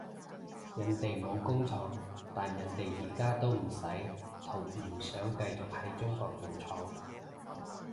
人哋冇工廠，但人哋而家都唔使同唔想繼續喺中國做廠